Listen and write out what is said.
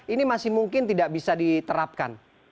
ini masih mungkin tidak bisa diterapkan